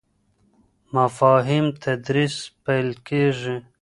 مفاهیم تدریس پیل کیږي.